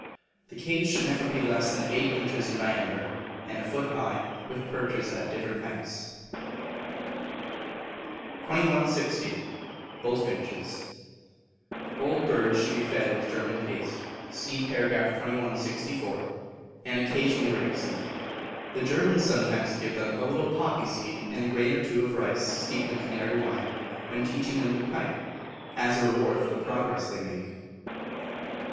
The cage should never be less than eight inches in diameter, and a foot high, with perches at different heights. 2160. Bullfinches. Old birds should be fed with German Paste, (See par. 2164), and occasionally rapeseed. The Germans sometimes give them a little poppy seed, and a grain or two of rice, steeped in Canary wine, when teaching them to pipe, as a reward for the progress they make.